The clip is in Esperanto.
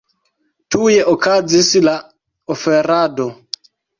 Tuj okazis la oferado.